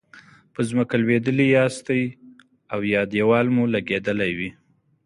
په ځمکه لویدلي یاستئ او یا دیوال مو لګیدلی وي.